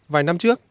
vài năm trước